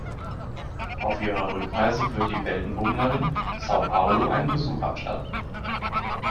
Auf ihrer Rückreise wird die Weltenbummlerin Sao Paulo einen Besuch abstatten.